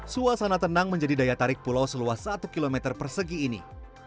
suasana tenang menjadi daya tarik pulau seluas satu km persegi ini